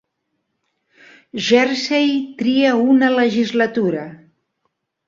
Jersei tria una legislatura.